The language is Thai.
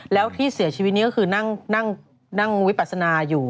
แล้วที่เสียชีวิตนี้ก็คือนั่งวิปัสนาอยู่